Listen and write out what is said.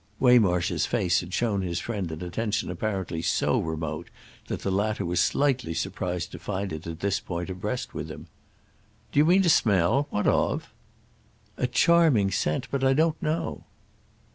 Waymarsh's face had shown his friend an attention apparently so remote that the latter was slightly surprised to find it at this point abreast with him. "Do you mean a smell? What of?" "A charming scent. But I don't know."